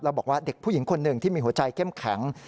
แล้วบอกว่าเด็กผู้หญิงคนหนึ่งที่มีหัวใจเข้มแข็ง